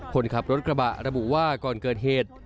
คนขับรถกระบะระบุว่าก่อนเกิดเหตุ